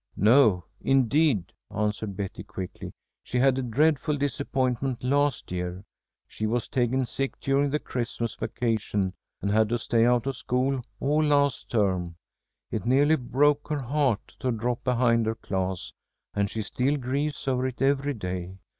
"No, indeed!" answered Betty, quickly. "She had a dreadful disappointment last year. She was taken sick during the Christmas vacation, and had to stay out of school all last term. It nearly broke her heart to drop behind her class, and she still grieves over it every day.